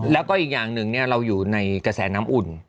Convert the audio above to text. แล้วก็อีกอย่างหนึ่งเราอยู่ในกระแสน้ำอุ่น